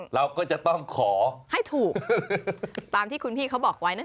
เราก็จะต้องขอให้ถูกตามที่คุณพี่เขาบอกไว้นะคะ